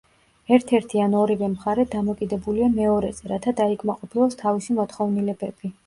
ერთ-ერთი ან ორივე მხარე დამოკიდებულია მეორეზე რათა დაიკმაყოფილოს თავისი მოთხოვნილებები.